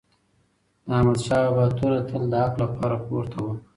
د احمدشاه بابا توره تل د حق لپاره پورته وه.